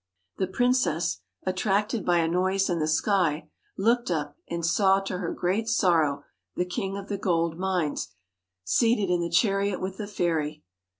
The princess, attracted by a noise in the sky, looked up, and saw to her great sorrow the King of the Gold Mines seated in the chariot with the fairy.